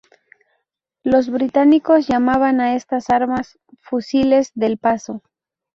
Los británicos llamaban a estas armas "Fusiles del Paso".